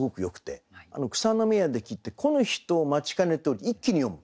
「草の芽や」で切って「来ぬ人を待ちかねてをり」と一気に読む。